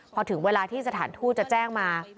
พอถึงเวลาที่สถานทูตจะแจ้งมา